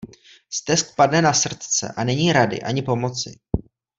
Stesk padne na srdce a není rady ani pomoci.